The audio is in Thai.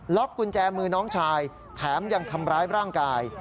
กุญแจมือน้องชายแถมยังทำร้ายร่างกาย